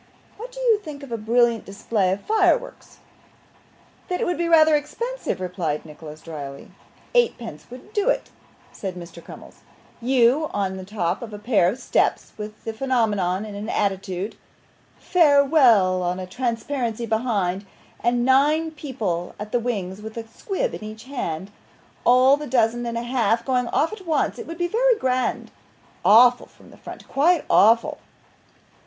'What do you think of a brilliant display of fireworks?' 'That it would be rather expensive,' replied Nicholas, drily. 'Eighteen pence would do it,' said Mr. Crummles. 'You on the top of a pair of steps with the phenomenon in an attitude; "Farewell!" on a transparency behind; and nine people at the wings with a squib in each hand all the dozen and a half going off at once it would be very grand awful from the front, quite awful.